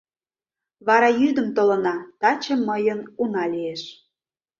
Вара, йӱдым толына; таче мыйын уна лиеш.